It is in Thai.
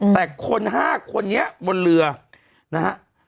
แต่คน๕คนนี้บนเรือนะฮะ